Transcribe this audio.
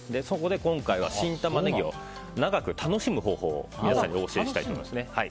そこで今回は新タマネギを長く楽しむ方法を皆さんにお教えしたいと思います。